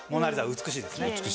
美しいですね。